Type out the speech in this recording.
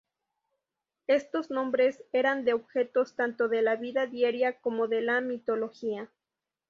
Estos nombres eran de objetos tanto de la vida diaria como de la mitología.